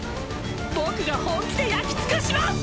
僕が本気で焼き尽くします！